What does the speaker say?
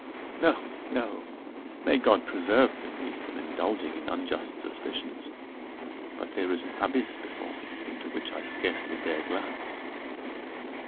"No, no; may God preserve me from indulging in unjust suspicions! but there is an abyss before me, into which I scarcely dare glance."